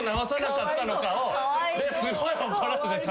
すごい怒られてた。